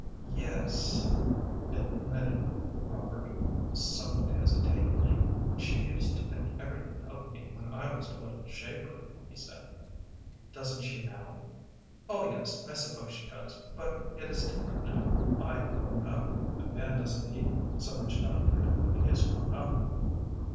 "Yes s," admitted Robert, somewhat hesitatingly. "She used to think everything of me when I was a little shaver," he said. "Doesn't she now?" "Oh yes, I suppose she does, but it is different now. I am grown up. A man doesn't need so much done for him when he is grown up."